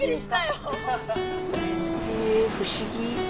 へえ不思議。